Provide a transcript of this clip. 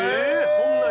そんなに？